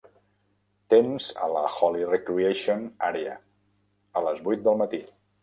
temps a la Holly Recreation Area a les vuit del matí